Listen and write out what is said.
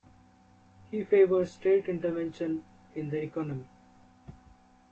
He favours state intervention in the economy.